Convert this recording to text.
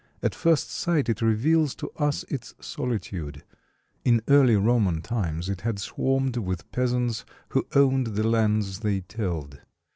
At first sight it reveals to us its solitude. In early Roman times it had swarmed with peasants who owned the lands they tilled.